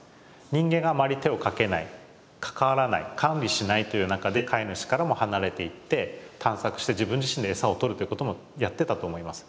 人間があまり手をかけない関わらない管理しないという中で飼い主からも離れていって探索して自分自身でエサを取るということもやってたと思います。